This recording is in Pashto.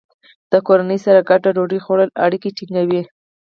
د کورنۍ سره ګډه ډوډۍ خوړل اړیکې ټینګوي.